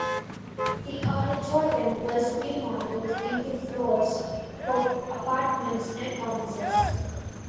The auditorium was remodelled into floors for apartments and offices.